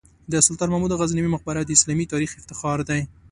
د سلطان محمود غزنوي مقبره د اسلامي تاریخ افتخار دی.